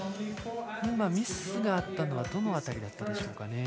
今、ミスがあったのはどの辺りだったでしょうか。